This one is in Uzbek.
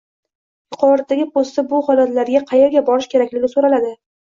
Yuqoridagi postda bu holatlarda qaerga borish kerakligi so'raladi